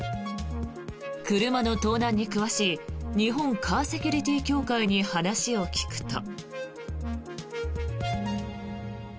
車の盗難に詳しい日本カーセキュリティ協会に話を聞くと。